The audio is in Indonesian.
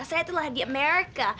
saya telah di amerika